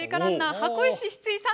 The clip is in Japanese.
箱石さん！